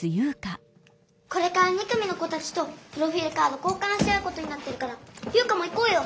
これから２組の子たちとプロフィールカード交かんし合うことになってるから優花も行こうよ！